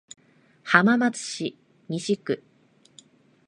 浜松市西区